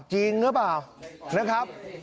จริงหรือเปล่านะครับ